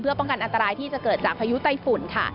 เพื่อป้องกันอันตรายที่จะเกิดจากพยุตัยฝุ่นค่ะ